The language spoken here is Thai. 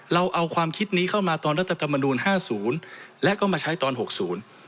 เราเอาความคิดนี้เข้ามาตอนรัฐธรรมนูลห้าศูนย์และก็มาใช้ตอนหกศูนย์